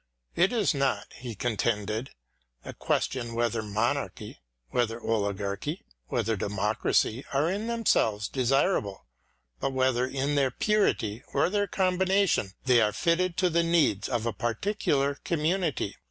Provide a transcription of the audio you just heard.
It is not, he contended, a question whether monarchy, whether oligarchy, whether demo cracy are in themselves desirable, but whether in their purity or their combination they are fitted to the needs of a particular community.